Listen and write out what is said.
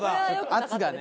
圧がね。